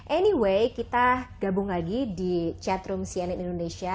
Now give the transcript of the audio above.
anyway kita gabung lagi di chatroom cnn indonesia